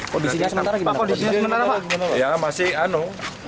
kondisinya sementara gimana pak